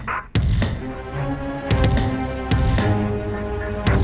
ini menurutmu elis murid yang baik asking